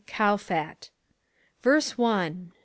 Kowfat Verse One ..........................